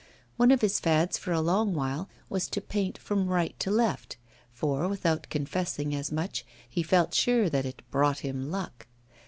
One of his fads for a long while was to paint from right to left; for, without confessing as much, he felt sure that it brought him luck.